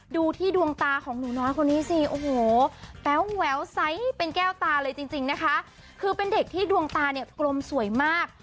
ดูที่ดวงตาของหนูน้อยคนนี้สิโอ้โหแป๊วแววไซส์เป็นแก้วตาเลยจริงจริงนะคะคือเป็นเด็กที่ดวงตาเนี่ยกลมสวยมาก